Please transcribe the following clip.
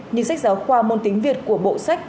nhưng sách giáo khoa môn tính việt của bộ sách